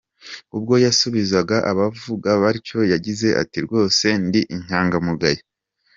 Ubwo yasubizaga abavuga batyo yagize ati :" Rwose ndi inyangamugayo.